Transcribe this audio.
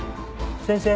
先生